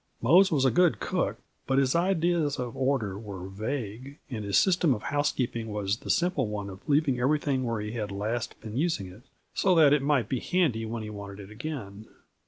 Mose was a good cook, but his ideas of order were vague, and his system of housekeeping was the simple one of leaving everything where he had last been using it, so that it might be handy when he wanted it again.